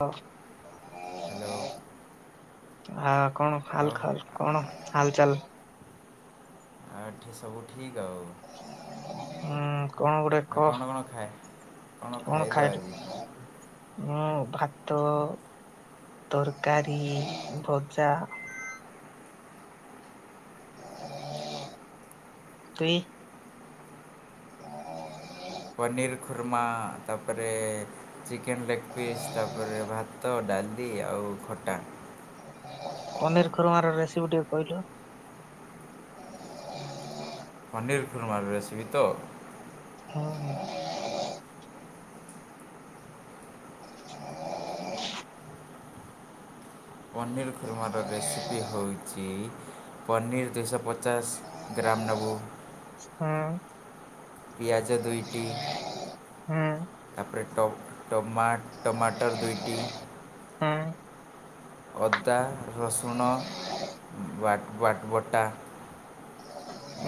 ହ ହ୍ୟାଲୋ ଆ କଣ ଆଉ ଆଉ ଖାଲ ଖାଲ କଣ ହାଲ ଚାଲ? ଆ ଏଠି ସବୁ ଠିକ୍ ଆଉ। ଉଁ କଣ ଗୋଟେ ଆଉ କ କ'ଣ କ'ଣ ଖାଏ କଣ ଖାଇଲ ଖାଇଲୁ? ଆଜି ମୁଁ ଭାତ ତରକାରୀ ଭଜା। ପି ହ ପନିର ଖୁରମା ତାପରେ ଚିକେନ୍ ଲେଗ୍ ପିସ୍ ତାପରେ ଭାତ ଡାଲିି ଆଉ ଖଟା। ପନିର ଖରୁମାର ରେସିପି ଟିକେ କହିଲୁ। ପନିର୍ ଖୁର୍ମାର ରେସିପି ତ। ହୁଁ। ହ ପନିର୍ ଖୁର୍ମାର ରେସିପି ହଉ। ଚି ପନିର୍ ଦୁଇଶ ପଚାଶ ଗ୍ରମ୍ ନବୁ। ହୁଁ। ପିଆଜ ଦୁଇଟି ହୁଁ ତାପରେ ଟ ଟମା ଟମାଟର ଦୁଇଟି। ହୁଁ। ଅଦା ରସୁଣ ବା ବାଟ ବଟା।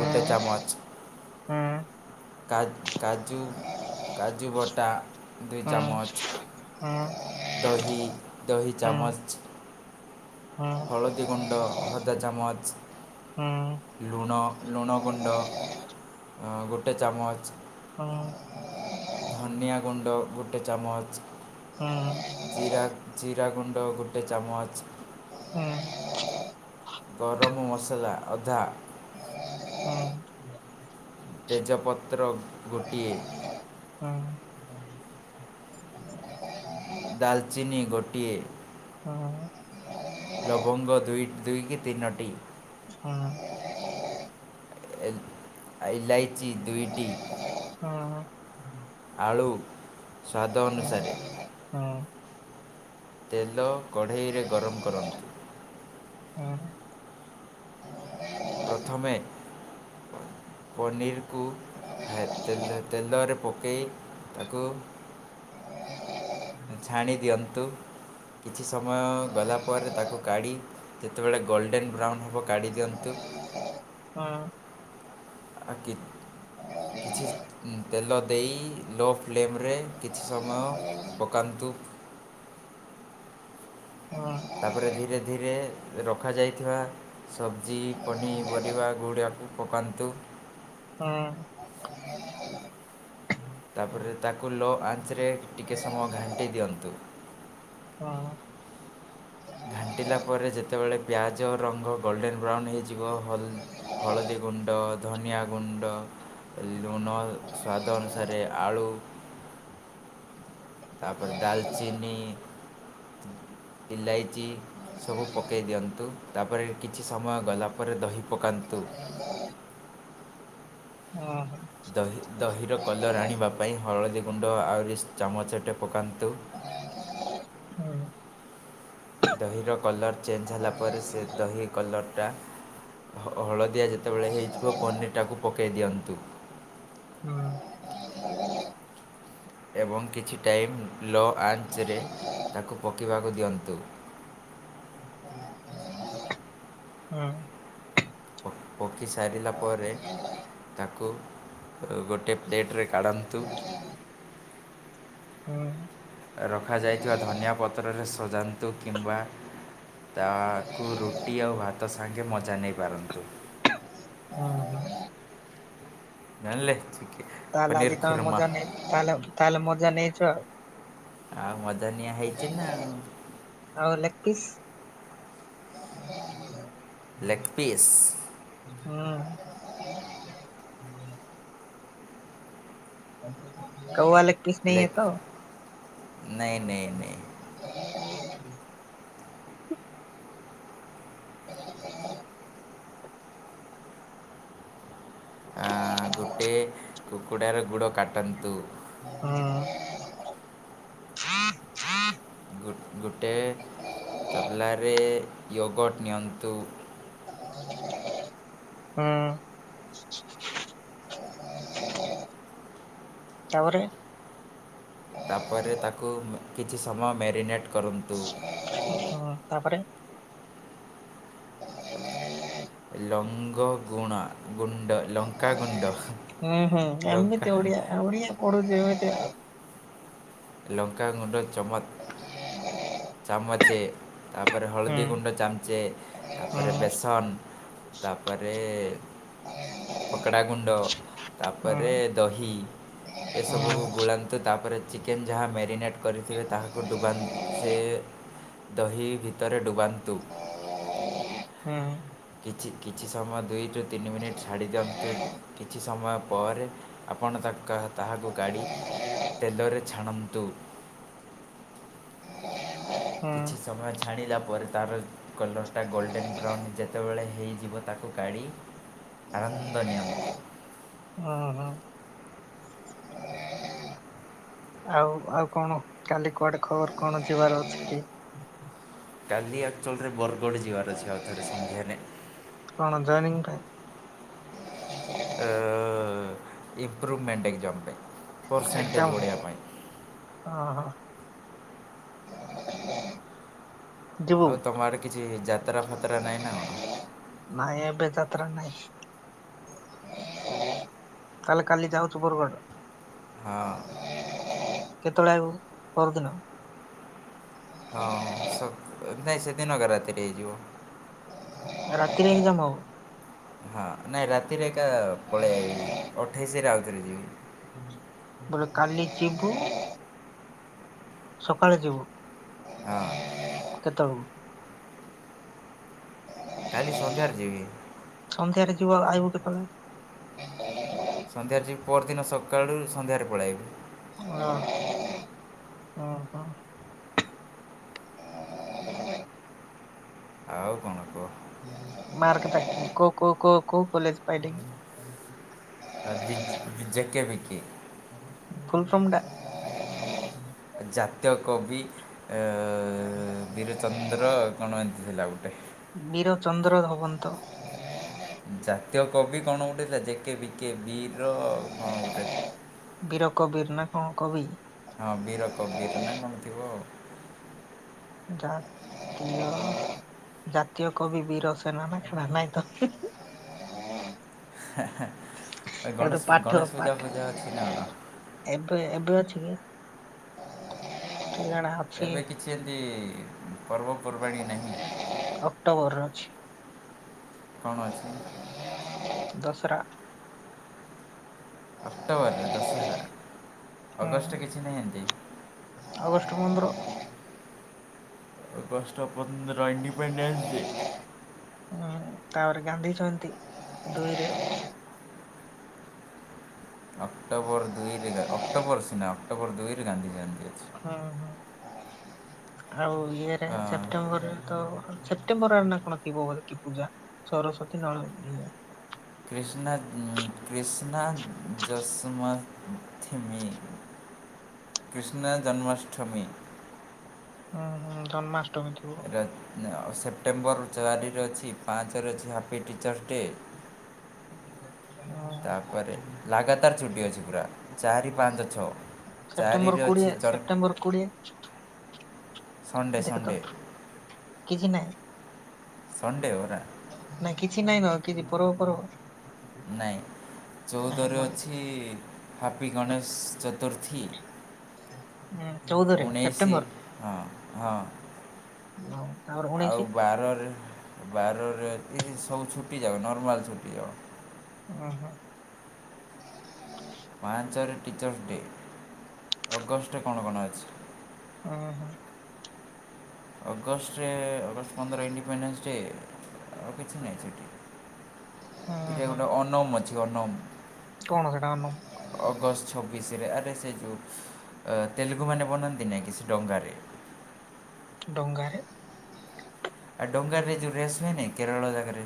ଗୋଟେ ଚାମଚ। ହୁଁ କା କାଜୁ କାଜୁ ବଟା ଦୁଇ ହୁଁ ହୁଁ ଚାମଚ। ଦହି ଦହି ହୁଁ ହୁଁ ଚାମଚ। ହଳଦୀ ଗୁଣ୍ଡ ହଦା ଚାମଚ। ହୁଁ ଲୁଣ ଲୁଣ ଗୁଣ୍ଡ ଗୋଟେ ଚାମଚ। ହଁ। ଧନିଆ ଗୁଣ୍ଡ ଗୋଟେ ଚାମଚ। ଜିରା ଜିରା ଗୁଣ୍ଡ ଗୋଟେ ଚାମଚ। ହଁ। ଗରମ ମସଲା ଅଧା। ହୁଁ ହୁଁ ତେଜପତ୍ର ଗୋଟିଏ। ହଁ। ଡାଲଚିନି ଗୋଟିଏ। ହଁ ହଁ ହଁ। ଲବଙ୍ଗ ଦୁଇ ଦୁଇ କି ତିନୋଟି। ହଁ। ଏ ଆଲାୟଚି ଦୁଇଟି। ହଁ। ଆଳୁ ସ୍ୱାଦ ଅନୁସାରେ। ହଁ। ତେଲ କଢ଼େଇରେ ଗରମ କରନ୍ତୁ। ହଁ। ପ୍ରଥମେ ପନିରକୁ ହେ ତେଲ ତେଲରେ ପକାଇ ତାକୁ ଛାଣି ଦିଅନ୍ତୁ କିଛି ସମୟ ଗଲା ପରେ ତାକୁ କାଢ଼ି ଯେତେବେଳେ ଗୋଲ୍ଡେନ୍ ବ୍ରାଉନ୍ ହେବ କାଢ଼ି ଦିଅନ୍ତୁ। ହଁ। ଆଗି କିଛି ତେଲ ଦେଇ ଲୋ ଫ୍ଲେମ୍ରେ କିଛି ସମୟ ପକାନ୍ତୁ। ତାପରେ ଧୀରେ ଧୀରେ ରଖାଯାଇଥିବା ସବ୍ଜି ପନିପରିବା ଗୁଡ଼ାକୁ ପକାନ୍ତୁ। ହଁ। [inaudible] ତାପରେ ତାକୁ ଲୋ ଆଞ୍ଚରେ ଟିକେ ସମୟ ଘାଣ୍ଟି ଦିଅନ୍ତୁ। ହଁ। ଘାଣ୍ଟିଲା ପରେ ଯେତେବେଳେ ପିଆଜ ରଙ୍ଗ ଗୋଲ୍ଡେନ୍ ବ୍ରାଉନ୍ ହେଇଯିବ ହଲ ହଳଦୀ ଗୁଣ୍ଡ ଧନିଆ ଗୁଣ୍ଡ ଲୁଣ ସ୍ୱାଦ ଅନୁସାରେ ଆଳୁ ତାପରେ ଦାଲଚିନି ଇଲାଇଚି ସବୁ ପକାଇ ଦିଅନ୍ତୁ ତାପରେ କିଛି ସମୟ ଗଲା ପରେ ଦହି ପକାନ୍ତୁ। ଓ ହୋ। ଦହି ଦହିର କଲର୍ ଆଣିବା ପାଇଁ ହଳଦୀ ଗୁଣ୍ଡ ଆହୁରି ଚାମଚଟେ ପକାନ୍ତୁ। ଦହିର କଲର୍ ଚେଞ୍ଜ ହେଲା ପରେ ସେ ଦହି କଲର୍ଟା ହଳଦିଆ ଯେତେବେଳେ ହେଇଯିବ ପନିରଟାକୁ ପକାଇ ଦିଅନ୍ତୁ। ହୁଁ। ଏବଂ କିଛି ଟାଇମ୍ ଲୋ ଆଞ୍ଚରେ ତାକୁ ପକାଇବାକୁ ଦିଅନ୍ତୁ। [inaudible] ଅଁ। ପ-ପକ୍ଷୀ ସାରିଲା ପରେ ତାକୁ ଗୋଟେ ପ୍ଲେଟ୍ ରେ କାଢନ୍ତୁ। ହଁ। ରଖାଯାଇଥିବା ଧନିଆ ପତ୍ରରେ ସଜାନ୍ତୁ କିମ୍ବା ତା କୁ ରୁଟି ଆଉ ଭାତ ସାଙ୍ଗେ ମଜା ନେଇପାରନ୍ତୁ। ଓ ହୋ। ଜାଣିଲେ। ତାହେଲେ ପନିର ଆଜି ତମେ ଖୁର୍ମା ମଜା ନେଇ ତାହେଲେ- ତାହେଲେ ମଜା ନେଇଚ ଆଉ। ଆଉ ମଜା ନିଆ ହେଇଚି ନା ଆଉ। ଆଉ ଲେଗ୍ ପିସ୍? Leg piece? ହଁ। [unintelligible] Leg piece. ନାଇଁ ନାଇଁ ନାଇଁ [unintelligible] [inaudible] [inaudible] ଆଁ-ଗୋଟେ କୁକୁଡାର ଗୁଡ କାଟନ୍ତୁ। ହଁ। ଗୋ -ଗୋଟେ ତବଲା ରେ ୟୋଗଟ୍ ନିଅନ୍ତୁ ହଁ। ତାପରେ? ତାପରେ ତାକୁ ଉଁ -କିଛି ସମୟ ମ୍ୟାରିନେଟ୍ କରନ୍ତୁ। ହଁ- ତାପରେ? [inaudible] ଲଙ୍ଗ ଗୁଣ- ଗୁଣ୍ଡ ଲଙ୍କାଗୁଣ୍ଡ ହୁଁ -ହୁଁ ଏମିତି ଓଡିଆ- ଓଡିଆ ପଢୁଚି ଏମିତି ଆଉ। ଲଙ୍କା ଗୁଣ୍ଡ ଚମଚ୍- ଚାମଚେ ତାପରେ ହୁଁ ହଳଦୀ ଗୁଣ୍ଡ ଚାମଚେ ହୁଁ ତାପରେ ବେସନ୍ ତାପରେ ପକଡା ଗୁଣ୍ଡ ହୁଁ ତାପରେ ଦହି ହୁଁ ଏସବୁକୁ ଗୋଳାନ୍ତୁ ତାପରେ ଚି ଚିକେନ୍ ଯାହା ମ୍ୟାରିନେଟ୍ କରିଥିବେ ତାହାକୁ ଡୁବାନ୍ ସେ ଦହି ଭିତରେ ଡୁବାନ୍ତୁ। ହୁଁ। କିଛି- କିଛି ସମୟ ଦୁଇରୁ ତିନି ମିନିଟ୍ ଛାଡି ଦିଅନ୍ତୁ କିଛି ସମୟ ପରେ ଆପଣ ତା- ତାହାକୁ କାଢି ତେଲରେ ଛାଣନ୍ତୁ। [inaudible] କିଛି ସମୟ ଛାଣିଲା ପରେ ତାର କଲର୍ ଟା ଗୋଲ୍ଡେନ୍ ବ୍ରାଉନ୍ ଯେତେବେଳେ ହେଇଯିବ ତାକୁ କାଢି ଆନନ୍ଦ ନିଅନ୍ତୁ। ଓ ହୋ। [unintelligible] ଆଉ -ଆଉ କଣ କାଲି କୁଆଡେ ଖବର୍ କଣ ଯିବାର ଅଛି କି? କାଲି ଆକ୍ଚୁଆଲି ରେ ବରଗଡ୍ ଯିବାର ଅଛି ଆଉଥରେ ସନ୍ଧ୍ୟାରେ। କଣ ଜଏନିଙ୍ଗ୍ ପାଇଁ? ଅ- ଇମ୍ପପ୍ରୁଭମେଣ୍ଟ୍ ଏକ୍ଜାମ୍ ପାଇଁ ପ୍ରସେଣ୍ଟେଜ୍ ବଢେଇବା ପାଇଁ। ଅ ହ। [inaudible] ଯିବୁ ଆଉ ତମ ଆଡେ କିଛି ଯାତ୍ରା ଫାତ୍ରା ନାହିଁ ନା କଣ। ନାଇଁ ଏବେ ଯାତ୍ରା ନାଇଁ। କାଲି ଯାଉଛୁ ବରଗଡ଼। ହଁ କେତେବେଳେ ଆଇବୁ ପରଦିନ। ହଁ ନାଇଁ ସେଦିନଗ ରାତି ହେଇଯିବ। ରାତିରେ ହି କାମ। ହଁ ନାଇଁ ରାତିରେ ଏକା ପଳେଇ ଆାଇବି ଅଠେଇଶରେ ଆଉଥରେ ଯିବି। ତ କାଲି ଯିବୁ ସକାଳେ ଯିବୁ। ହଁ। କେତ ବେଳକୁ। କାଲି ସନ୍ଧ୍ୟାରେ ଯିବି। ସନ୍ଧ୍ୟାରେ ଯିବ ଆଇବୁ କେତେବେଳେ। ସନ୍ଧ୍ୟାରେ ଯିବି ପରଦିନ ସକାଳୁ ସନ୍ଧ୍ୟାରେ ପଳାଇବି। [unintelligible] ହଁ ହୁଁ [inaudible] ଆଉ କଣ କୁହ। ମାର୍କ ତା କ କ କ କ କଲେଜ ପାଇିଲ। ବି ଯେକେ ବିକେ। ଫୁଲ ସ ମୁଣ୍ଡା। ଜାତୀୟ କବି ବୀରଚନ୍ଦ୍ର କଣ୍ ଏମିତି ଥିଲା ଗୋଟେ। ବୀର ଚନ୍ଦ୍ର ଧବନ୍ତ। ଜାତୀୟ କବି କଣ ଗୋଟେଥିଲା ଜେକେ ବିକେ ବିର କଣ ଗୋଟେ ବୀର କବୀର ନା କଣ କବି। ହଁ ବୀର କ ବୀର ନାହିଁ କଣଥିବ। ଯା [unintelligible] ଜାତୀୟ କବି ବୀର ସେନା ନା ଖଡ ନାଇ ତ? ହା ହା ଏ ତ ଗଣେଶ ପାଠ ଗଣେଶ ପୂଜା ପାଠ ପୂଜା ଅଛି ନା କଣ। ଏବେ ଏବେ ଅଛି କିଣ ଏବେ କିଛି ଏମିତି ପର୍ବପର୍ବାଣିୀ ନାହିଁ। ଅକ୍ଟୋବର ର ଅଛି। କଣ ଅଛି ଦସରା। ଅକ୍ଟୋବର ଦଶହରା ଅଗଷ୍ଟ କିଛି ନାହିଁ ହେମିତି। ଆଗଷ୍ଟ ପନ୍ଦର। ଅଗଷ୍ଟ ପନ୍ଦର ଇଡିପେଣ୍ଡେନ୍ସ ଡେ। ହୁଁ ତାପରେ ଗାନ୍ଧୀ ଜୟନ୍ତୀ ଦୁଇରେ। ଅକ୍ଟୋବର ଦୁଇରେ ଅକ୍ଟୋବର ସିନା ଅକ୍ଟୋବର ଦୁଇରେ ଗାନ୍ଧୀ ଜୟନ୍ତୀ ଅଛି। ହୁଁ ହୁଁ ଆଉ ଇଏରେ ଅ, ସେପ୍ଟେମ୍ବରରେ ତ ସେ ସେପ୍ଟେମ୍ବର ଆରେ ନା କଣ ଥିବ ପୂଜା ସରସ୍ଵତୀ ନଳ କୃଷ୍ଣା କୃଷ୍ଣା ଯଶମଥ ଥିମି କୃଷ୍ଣ ଜନ୍ମାଷ୍ଟମୀ। ହୁଁ ହୁଁ ଜନ୍ମାଷ୍ଟମୀ ଥିବ। ସେପ୍ଟେମ୍ବର ଚାରିରେ ଅଛି ପାଞ୍ଚରେ ଅଛି ହାପି ଟିଚର୍ସ ଡେ। ହ ତାପରେ ଲାଗାତାର ଛୁଟି ଅଛି ପୁରା ଚାରି, ପାଞ୍ଚ, ଛଅ ଚାରିରେ ଅଛି [unintelligible] [unintelligible] କୋଡ଼ିଏ। ସଣ୍ଡେ ଦେଖ ସଣ୍ଡେ ତ ସଣ୍ଡେ [unintelligible] ନାଇଁ କିଛି ନାଇଁ ଆଉ କିଛି ପରବ ଫରବ? ନାଇଁ ଚଉଦରେ ଅଛି ହାପି ଗଣେଶ ଚତୁର୍ଥୀ। ଚଉଦରେ ଉଣେଇଶି ସେପ୍ଟେମ୍ବର ହଁ-ହଁ। [inaudible] ଆଉ ବାରରେ-ବାରରେ ଏଠି ସବୁ ଛୁଟି ଯାଉ ନର୍ମାଲ ଛୁଟି ଯାଉ। ଓହୋ। ମାର୍ଚ୍ଚରେ ଟିଚର୍ସ ଡେ, ଅଗଷ୍ଟରେ କଣ-କଣ ଅଛି? ହଁ-ହଁ। ଅଗଷ୍ଟରେ ଅଗଷ୍ଟ ପନ୍ଦର ଇଣ୍ଡିପେଣ୍ଡେନ୍ସ ଡେ ଆଉ କିଛି ନାହିଁ ସେଇଠି। ଉଁ ଏଟା ହୁଁ ଗୋଟେ ଅନମ୍ ଅଛି ଅନମ୍। କଣ ସେଇଟା ଅନମ୍? ଅଗଷ୍ଟ ଛବିଶିରେ ଆରେ ସେ ଯୋଉ ତେଲୁଗୁମାନେ ବନାନ୍ତି ନାହିଁ କି ସେ ଡଙ୍ଗାରେ ଡଙ୍ଗାରେ? ଆଉ ଡଙ୍ଗାରେ ଯୋଉ ରେସ୍ ହୁଏନି କେରଳ ଜାଗାରେ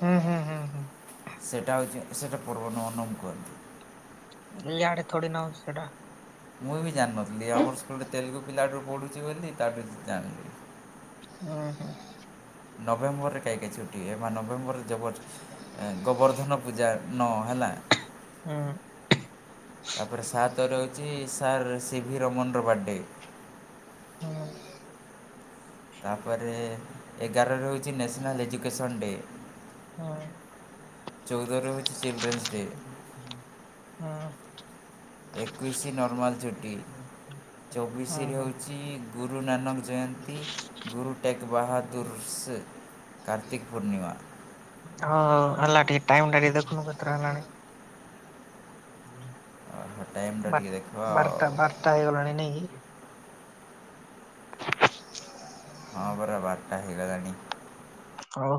ହୁଁ-ହୁଁ-ହୁଁ-ହୁଁ। ସେଟା ହଉଚି ସେଇଟା ପୁର୍ବନୁ ଅନମ୍ [unintelligible] ଲିଆଡେ ଥୋଡ଼ି ନା ହଉଚି ସେଇଟା। ମୁଁ ବି ଜାଣିନଥିଲି ଆମର ସ୍କୁଲ୍ ରେ ତେଲୁଗୁ ପିଲା [unintelligible] ପଢ଼ୁଚି ବୋଲି ତାଠୁ ଜାଣିଲି। ହଁ-ହଁ। ନଭେମ୍ବରରେ କାହିଁକ ଛୁଟି ହୁଏ ବା ନଭେମ୍ବର ଜବର ଗୋବର୍ଦ୍ଧନ ପୂଜା ନଅ ହେଲା। ହୁଁ। ତାପରେ ସାତରେ ହଉଚି ସାର୍ ସିଭିି ରମନ୍ ର ବାର୍ଡେ। ହଁ। ତାପରେ ଏଗାରରେ ହଉଚି ନ୍ୟାସନାଲ୍ ଏଜୁକେସନ୍ ଡେ। ହୁଁ ଚଉଦରେ ହଉଚି ଚିଲ୍ଡ୍ରେନ୍ସ ଡେ। ହଁ। ଏକୋଇଶି ନର୍ମାଲ୍ ଛୁଟି ଚବିଶିରେ ହୁଁ ହଉଚି ଗୁରୁ ନାନକ ଜୟନ୍ତୀ ଗୁରୁ ଟେଗ୍ ବାହାଦୁର ସେଖ୍ କାର୍ତ୍ତିକି ପୂର୍ଣ୍ଣିମା। ହଁ, ହେଲା ଟିକେ ଟାଇମ୍ ଟା ଟିକେ ଦେଖୁନୁ କେତେଟା ହେଲାଣି? ଟାଇମ୍ଟା ବା ଟିକେ ଦେଖିବା ଆଉ ବାରଟା-ବାରଟା ହେଇଗଲାଣି ନେଇଁକି। ହଁ ପରା ବାର୍ [inaudible] ହଉ।